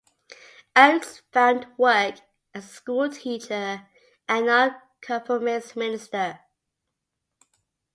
Oakes found work as a schoolteacher and nonconformist minister.